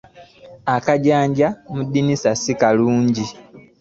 Akajanja mu ddiini si kalungi.